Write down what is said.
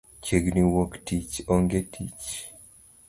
Chieng wuok tich onge tich